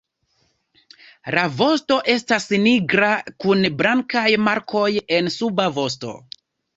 La vosto estas nigra kun blankaj markoj en suba vosto.